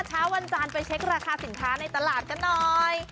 เช้าวันจานไปเช็คราคาสินค้าในตลาดกันหน่อย